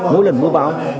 mỗi lần mưa báo